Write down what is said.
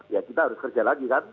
ya kita harus kerja lagi kan